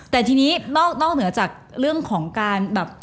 แต่ทีนี้นอกเหนือจากเรื่องของการแบบ